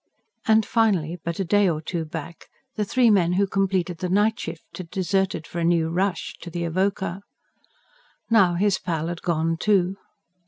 And finally, but a day or two back, the three men who completed the nightshift had deserted for a new "rush" to the Avoca. Now, his pal had gone, too.